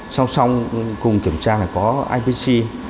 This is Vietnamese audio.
xong xong cùng kiểm tra có ipc